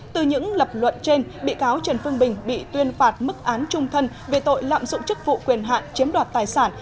từ những lập luận trên bị cáo trần phương bình bị tuyên phạt mức án trung thân về tội lạm dụng chức vụ quyền hạn chiếm đoạt tài sản